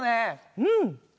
うん。